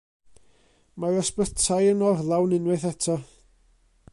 Mae'r ysbytai yn orlawn unwaith eto.